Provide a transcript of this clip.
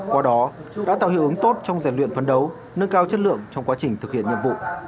qua đó đã tạo hiệu ứng tốt trong rèn luyện phấn đấu nâng cao chất lượng trong quá trình thực hiện nhiệm vụ